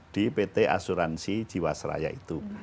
di pt asuransi jiwasraya itu